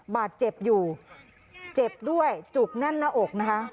บาดเจ็บอยู่เจ็บด้วยจุกแน่นหน้าอกนะคะ